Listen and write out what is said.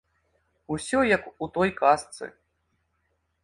Усё як у той казцы.